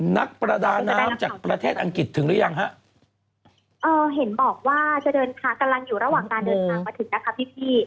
นักประดาน้ำจากประเทศอังกฤษถึงหรือยังฮะเอ่อเห็นบอกว่าจะเดินทางกำลังอยู่ระหว่างการเดินทางมาถึงนะคะพี่พี่